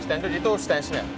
standard itu stance nya